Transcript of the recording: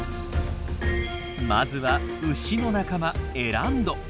まずは牛の仲間エランド。